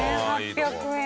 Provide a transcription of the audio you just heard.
１８００円。